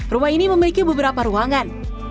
rumah ini memiliki beberapa ruangan